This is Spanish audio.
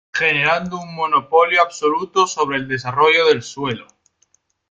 Generando un monopolio absoluto sobre desarrollo del suelo.